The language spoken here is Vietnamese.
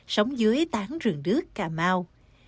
sống dưới tán rừng đứt cà mau